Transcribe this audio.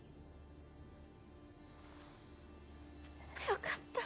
よかった。